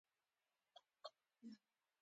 خور د خبرو د خوږوالي مثال ده.